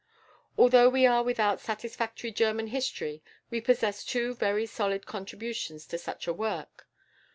Although we are without a satisfactory German history we possess two very solid contributions to such a work.